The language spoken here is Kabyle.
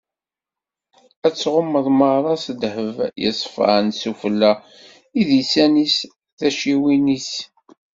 Ad t-tɣummeḍ meṛṛa s ddheb yeṣfan: s ufella, idisan-is, tacciwin-is.